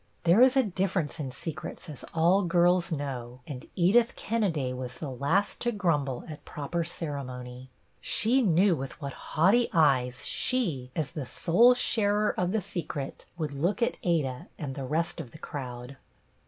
There is a difference in secrets, as all girls know, and Edith Ken neday was the last to grumble at proper cere mony. She knew with what haughty eyes she, as the sole sharer of The Secret, would look at Ada and the rest of the crowd.